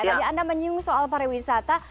tadi anda menyinggung soal pariwisata